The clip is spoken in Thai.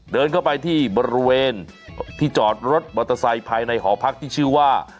เดินเข้าไปที่บริเวณที่จอดรถมอเตอร์ไซค์ภายในหอพักที่ชื่อว่า